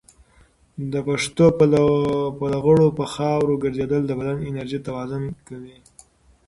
د پښو په لغړو په خاورو ګرځېدل د بدن انرژي توازن کوي.